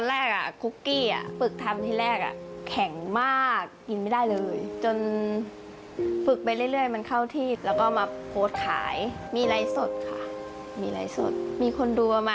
อันนี้คอนเฟคขอละ๗๙บาทจ้า